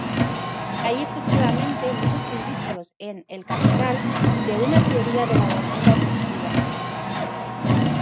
Hay efectivamente muchos indicios en "El Capital" de una teoría de la demanda efectiva.